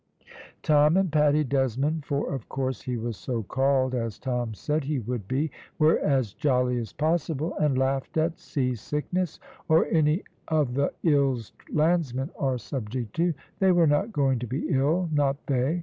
Tom and Paddy Desmond (for, of course he was so called, as Tom said he would be) were as jolly as possible, and laughed at sea sickness, or any of the ills landsmen are subject to; they were not going to be ill, not they.